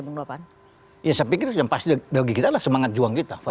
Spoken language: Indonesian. ya saya pikir yang pasti bagi kita adalah semangat juang kita